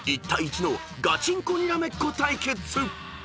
［１対１のガチンコにらめっこ対決］